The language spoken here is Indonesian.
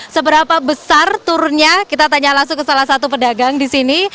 seberapa besar turunnya kita tanya langsung ke salah satu pedagang di sini